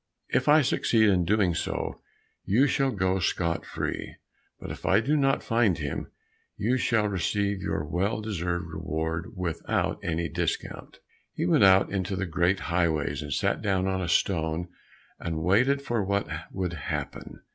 If I succeed in doing so, you shall go scot free, but if I do not find him, you shall receive your well deserved reward without any discount." He went out into the great highways, sat down on a stone, and waited for what would happen.